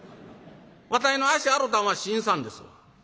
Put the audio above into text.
わたいの足洗たんは信さんですわ」。